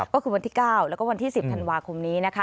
ก็คือวันที่๙แล้วก็วันที่๑๐ธันวาคมนี้นะคะ